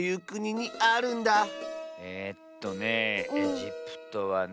えっとねエジプトはね。